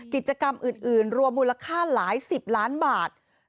กิจกรรมอื่นรวมมูลค่าหลายสิบล้านบาท